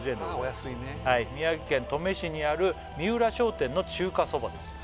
お安いね宮城県登米市にある三浦商店の中華そばです